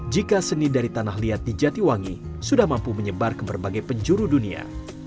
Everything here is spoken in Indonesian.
jika seni dari tanah liat di jatiwangi sudah mampu menyebar ke berbagai penjuru dunia